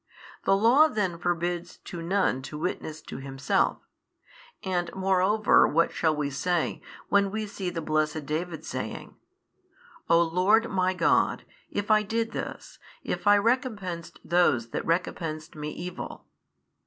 The Law then forbids to none to witness to himself. And moreover what shall we say, when we see the blessed David saying, O Lord my God, if I did this, if I recompensed those that recompensed me evil?